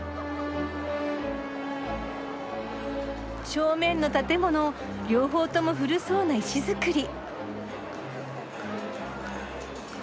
正面の建物両方とも古そうな石造り。